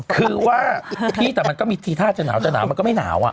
คือว่าพี่แต่มันก็มีทีท่าจะหนาวจะหนาวมันก็ไม่หนาว